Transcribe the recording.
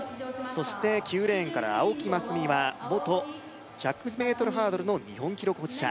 そして９レーンから青木益未は元１００ｍハードルの日本記録保持者